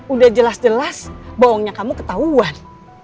udah jelas jelas bohongnya kamu ketahuan